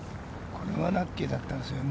これはラッキーだったですよね。